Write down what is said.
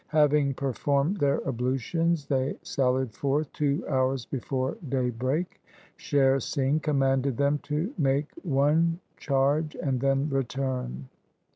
Having performed their ablutions, they sallied forth two hours before daybreak. Sher Singh commanded them to make but one charge and then return.